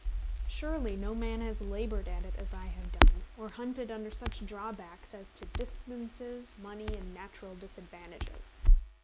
Surely no man has laboured at it as I have done, or hunted under such drawbacks as to distances, money, and natural disadvantages.